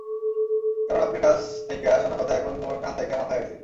কারণ আপনের কাছ থাইকা শোনা কথা এখন মোর কান থাইকা মাথায় আইছে।